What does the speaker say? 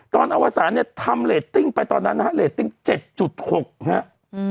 ตอนอวสารเนี้ยทำปีไปตอนนั้นฮะเบสจุดหกหัะอืม